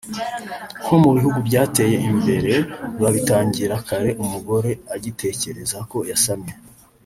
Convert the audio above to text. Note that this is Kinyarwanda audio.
nko mu bihugu byateye imbere babitangira kare umugore agitekereza ko yasamye